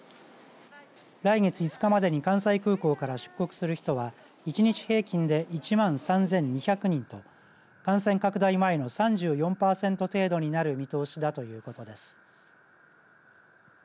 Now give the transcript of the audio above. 来月５日までに関西空港から出国する人は一日平均で１万３２００人と感染拡大前の３４パーセント程度になる見通しだということです。